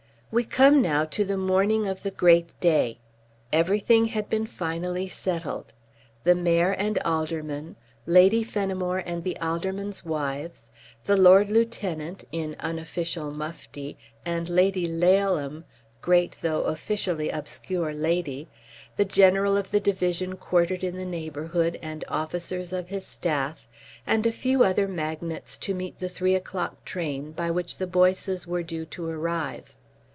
We come now to the morning of the great day. Everything had been finally settled. The Mayor and Aldermen, Lady Fenimore and the Aldermen's wives, the Lord Lieutenant (in unofficial mufti) and Lady Laleham (great though officially obscure lady), the General of the Division quartered in the neighbourhood and officers of his staff, and a few other magnates to meet the three o'clock train by which the Boyces were due to arrive.